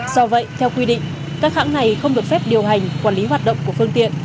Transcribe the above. do vậy theo quy định các hãng này không được phép điều hành quản lý hoạt động của phương tiện